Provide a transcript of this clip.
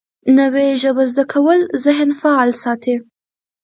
نوې ژبه زده کول ذهن فعال ساتي